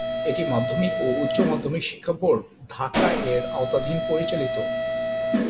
এটি মাধ্যমিক ও উচ্চ মাধ্যমিক শিক্ষা বোর্ড, ঢাকা এর অধীনে পরিচালিত।